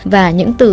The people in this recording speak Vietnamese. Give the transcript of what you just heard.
và những từ